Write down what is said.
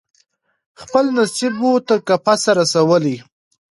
خپل نصیب وو تر قفسه رسولی